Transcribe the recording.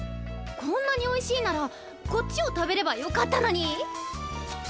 こんなにおいしいならこっちを食べればよかったのに。